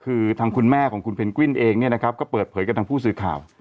คือทางคุณแม่ของคุณเพนกวินเองเนี่ยนะครับก็เปิดเผยกับทางผู้สื่อข่าว